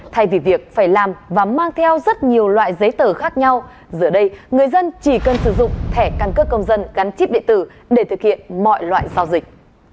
thay vì việc phải làm và mang theo rất nhiều loại giấy tờ khác nhau giờ đây người dân chỉ cần sử dụng thẻ căn cước công dân gắn chip điện tử để thực hiện mọi loại giao dịch